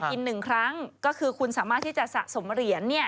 ๑ครั้งก็คือคุณสามารถที่จะสะสมเหรียญ